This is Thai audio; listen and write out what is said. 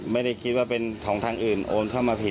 ไม่ได้คิดว่าเป็นของทางอื่นโอนเข้ามาผิด